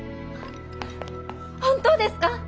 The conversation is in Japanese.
本当ですか？